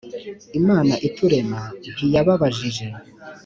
Imana iturema ntiyababajije,